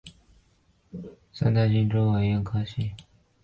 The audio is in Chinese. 三带金蛛为园蛛科金蛛属的动物。